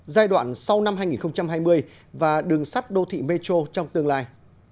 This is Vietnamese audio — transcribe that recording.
giai đoạn sau năm hai nghìn hai mươi và đường sắt đô thị metro trong tương lai